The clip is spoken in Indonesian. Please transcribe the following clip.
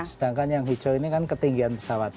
sedangkan yang hijau ini kan ketinggian pesawat